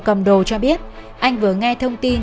cầm đồ cho biết anh vừa nghe thông tin